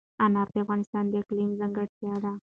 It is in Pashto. انار د افغانستان د اقلیم ځانګړتیا ده.